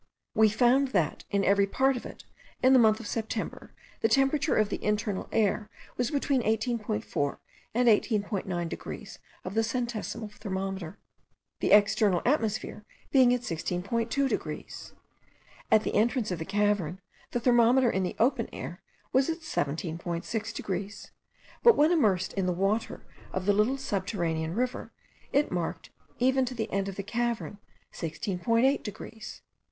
We found that, in every part of it, in the month of September, the temperature of the internal air was between 18.4 and 18.9 degrees of the centesimal thermometer; the external atmosphere being at 16.2 degrees. At the entrance of the cavern, the thermometer in the open air was at 17.6 degrees; but when immersed in the water of the little subterranean river, it marked, even to the end of the cavern, 16.8 degrees.